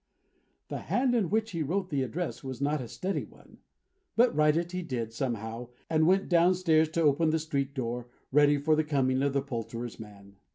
The hand in which he wrote the address was not a steady one; but write it he did, somehow, and went down stairs to open the street door, ready for the coming of the poulterer's man.